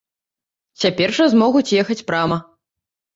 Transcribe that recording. Цяпер жа змогуць ехаць прама.